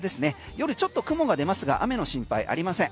夜、ちょっと雲が出ますが雨の心配ありません。